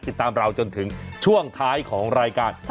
ติดตามเราจนถึงช่วงท้ายของรายการ